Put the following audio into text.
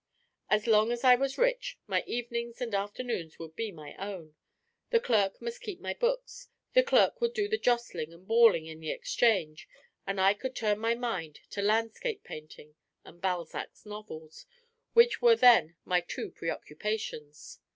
As long as I was rich, my evenings and afternoons would be my own; the clerk must keep my books, the clerk could do the jostling and bawling in the exchange; and I could turn my mind to landscape painting and Balzac's novels, which were then my two preoccupations.